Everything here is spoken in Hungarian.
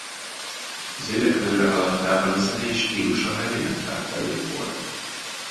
Az évek előrehaladtával a zenei stílus a heavy metal felé fordul.